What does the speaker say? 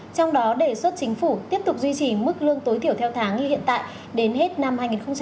trong đó đề xuất chính phủ tiếp tục duy trì mức lương tối tiểu theo tháng hiện tại đến hết năm hai nghìn hai mươi một